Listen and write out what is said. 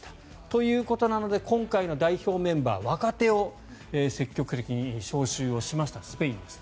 ということなので今回の代表メンバー若手を積極的に招集しましたスペインです。